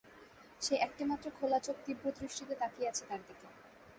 সেই একটিমাত্র খোলা চোখ তীব্র দৃষ্টিতে তাকিয়ে আছে তার দিকে।